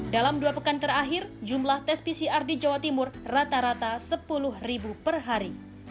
dalam dua pekan terakhir jumlah tes pcr di jawa timur rata rata sepuluh ribu per hari